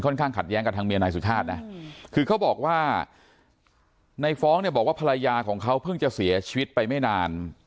ข้างขัดแย้งกับทางเมียนายสุชาตินะคือเขาบอกว่าในฟ้องเนี่ยบอกว่าภรรยาของเขาเพิ่งจะเสียชีวิตไปไม่นาน